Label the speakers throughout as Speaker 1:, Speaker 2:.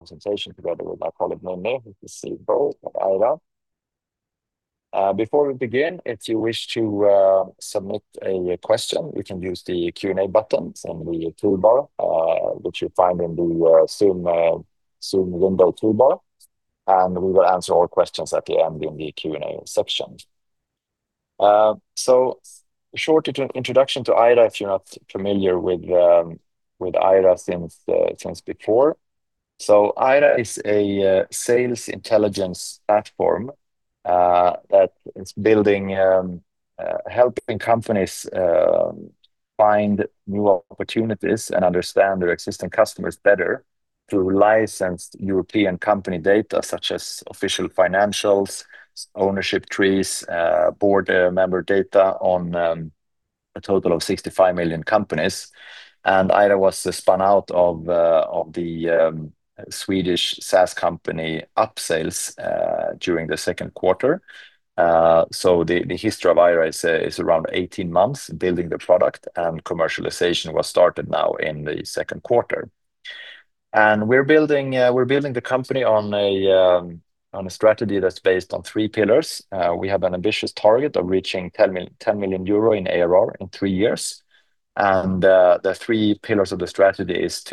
Speaker 1: Presentation together with my colleague, Ninnie, who's the CFO of Aira. Before we begin, if you wish to submit a question, you can use the Q&A buttons in the toolbar, which you'll find in the Zoom window toolbar, we will answer all questions at the end in the Q&A section. A short introduction to Aira, if you're not familiar with Aira since before. Aira is a sales intelligence platform that is helping companies find new opportunities and understand their existing customers better through licensed European company data, such as official financials, ownership trees, board member data on a total of 65 million companies. Aira was spun out of the Swedish SaaS company, Upsales, during the second quarter. The history of Aira is around 18 months building the product, and commercialization was started now in the second quarter. We're building the company on a strategy that's based on three pillars. We have an ambitious target of reaching 10 million euro in ARR in three years. The three pillars of the strategy is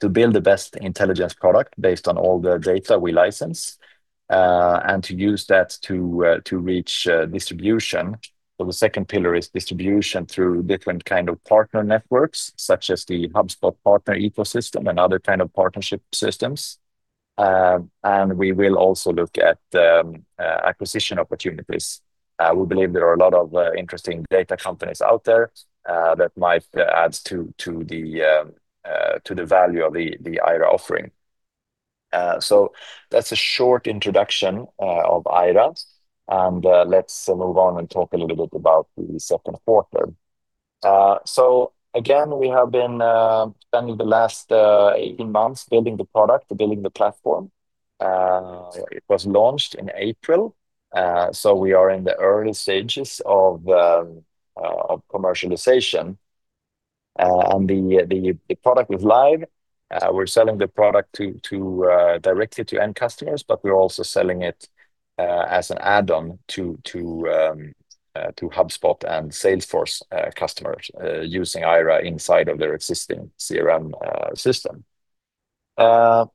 Speaker 1: to build the best intelligence product based on all the data we license, and to use that to reach distribution. The second pillar is distribution through different kind of partner networks, such as the HubSpot partner ecosystem and other kind of partnership systems. We will also look at acquisition opportunities. We believe there are a lot of interesting data companies out there that might add to the value of the Aira offering. That's a short introduction of Aira, and let's move on and talk a little bit about the second quarter. Again, we have been spending the last 18 months building the product, building the platform. It was launched in April, we are in the early stages of commercialization. The product is live. We're selling the product directly to end customers, but we're also selling it as an add-on to HubSpot and Salesforce customers using Aira inside of their existing CRM system. It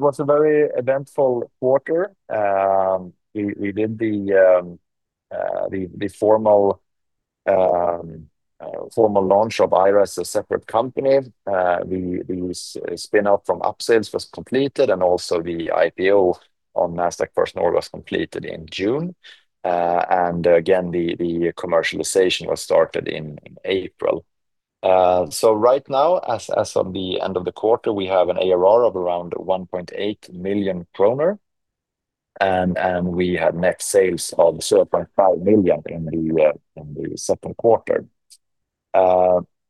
Speaker 1: was a very eventful quarter. We did the formal launch of Aira as a separate company. The spin out from Upsales was completed, and also the IPO on Nasdaq First North was completed in June. Again, the commercialization was started in April. Right now, as of the end of the quarter, we have an ARR of around 1.8 million kronor, and we had net sales of 0.5 million in the second quarter.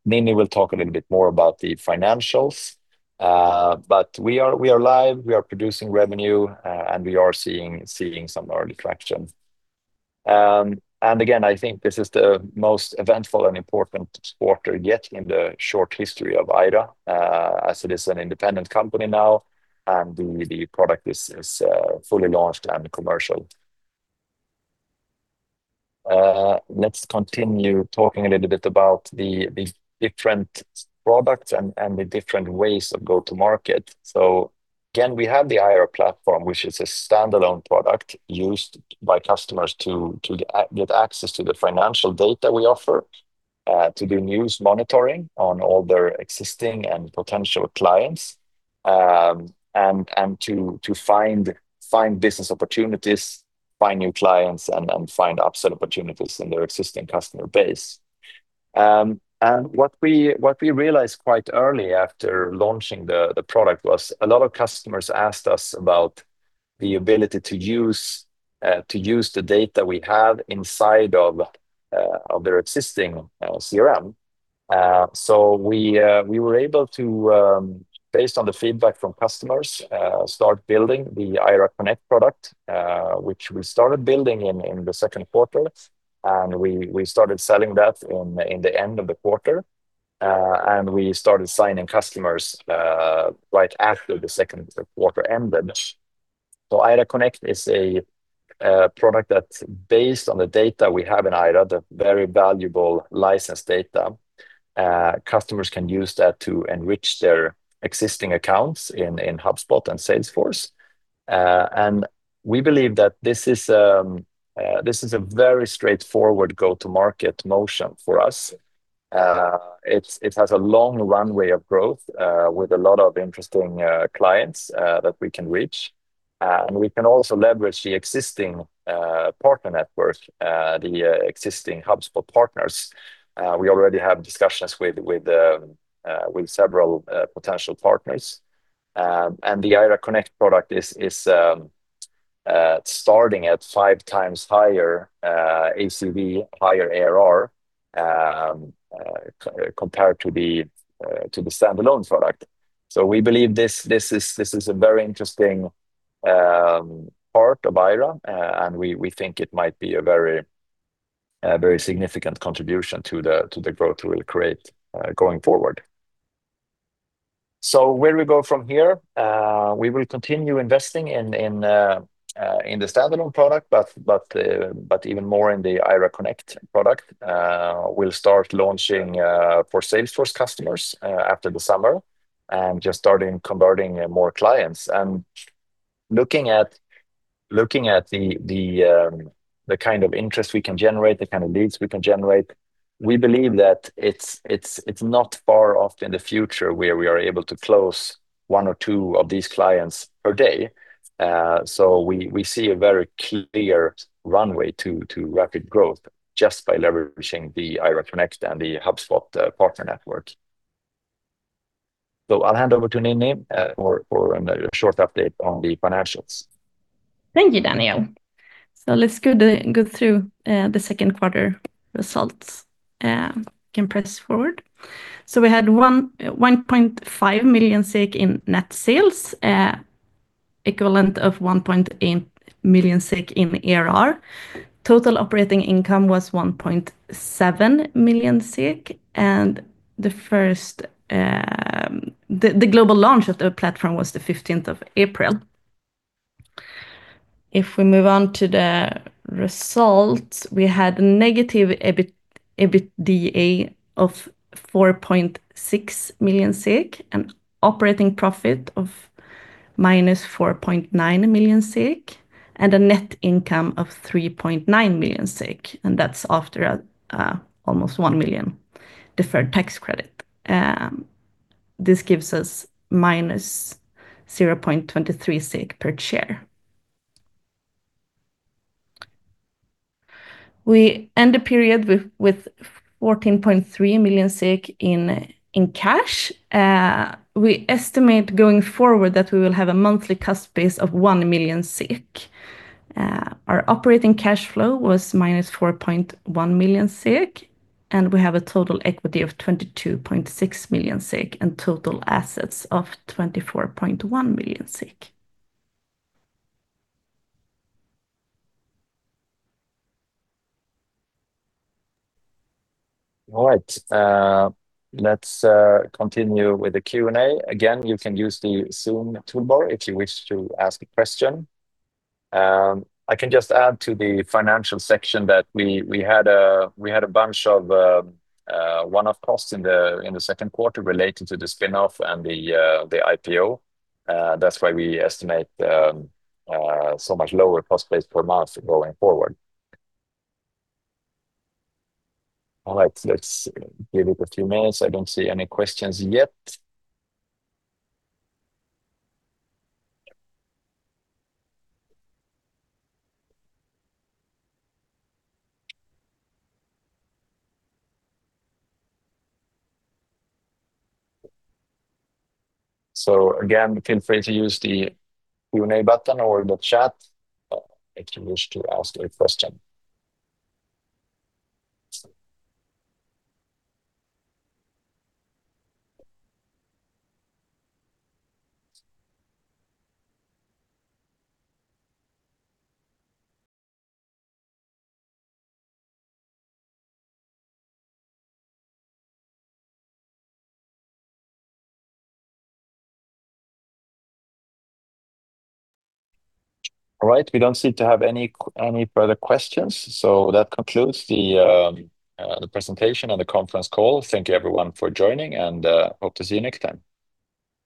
Speaker 1: Ninnie will talk a little bit more about the financials. We are live, we are producing revenue, and we are seeing some early traction. Again, I think this is the most eventful and important quarter yet in the short history of Aira, as it is an independent company now, and the product is fully launched and commercial. Let's continue talking a little bit about the different products and the different ways of go to market. Again, we have the Aira platform, which is a standalone product used by customers to get access to the financial data we offer, to do news monitoring on all their existing and potential clients, and to find business opportunities, find new clients, and find upsell opportunities in their existing customer base. What we realized quite early after launching the product was a lot of customers asked us about the ability to use the data we have inside of their existing CRM. We were able to, based on the feedback from customers, start building the Aira Connect product, which we started building in the second quarter. We started selling that in the end of the quarter. We started signing customers right after the second quarter ended. Aira Connect is a product that is based on the data we have in Aira, the very valuable licensed data. Customers can use that to enrich their existing accounts in HubSpot and Salesforce. We believe that this is a very straightforward go-to market motion for us. It has a long runway of growth with a lot of interesting clients that we can reach. We can also leverage the existing partner network, the existing HubSpot partners. We already have discussions with several potential partners. The Aira Connect product is starting at 5x higher ACV, higher ARR, compared to the standalone product. We believe this is a very interesting part of Aira, and we think it might be a very significant contribution to the growth we will create going forward. Where do we go from here? We will continue investing in the standalone product, but even more in the Aira Connect product. We will start launching for Salesforce customers after the summer and just start converting more clients. Looking at the kind of interest we can generate, the kind of leads we can generate, we believe that it is not far off in the future where we are able to close one or two of these clients per day. We see a very clear runway to rapid growth just by leveraging the Aira Connect and the HubSpot partner network. I'll hand over to Ninnie for a short update on the financials.
Speaker 2: Thank you, Daniel. Let's go through the second quarter results. You can press forward. We had 1.5 million in net sales, equivalent of 1.8 million in ARR. Total operating income was 1.7 million, the global launch of the platform was the 15th of April. If we move on to the results, we had a EBITDA of -4.6 million, an operating profit of -4.9 million, a net income of 3.9 million, and that is after almost 1.0 million deferred tax credit. This gives us -0.23 per share. We end the period with 14.3 million in cash. We estimate going forward that we will have a monthly cost base of 1.0 million. Our operating cash flow was -4.1 million. We have a total equity of 22.6 million and total assets of 24.1 million.
Speaker 1: All right. Let's continue with the Q&A. Again, you can use the Zoom toolbar if you wish to ask a question. I can just add to the financial section that we had a bunch of one-off costs in the second quarter related to the spinoff and the IPO. That's why we estimate so much lower cost base per month going forward. All right, let's give it a few minutes. I don't see any questions yet. Again, feel free to use the Q&A button or the chat if you wish to ask a question. All right. We don't seem to have any further questions, so that concludes the presentation and the conference call. Thank you, everyone, for joining, and hope to see you next time.